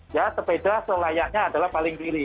ya sepeda selayaknya adalah paling kiri